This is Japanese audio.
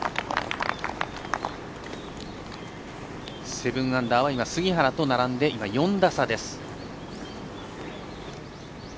７アンダーは杉原と並んで今、４打差です。